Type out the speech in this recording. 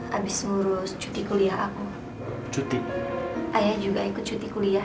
habis ngurus cuti kuliah aku ayah juga ikut cuti kuliah